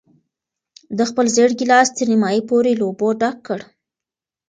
ده خپل زېړ ګیلاس تر نیمايي پورې له اوبو ډک کړ.